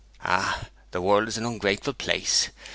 'Ah, the world is an ungrateful place!